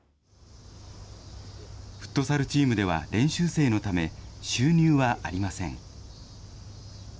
フットサルチームでは練習生のため、収入はありません。